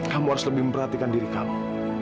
kamu harus lebih memperhatikan diri kamu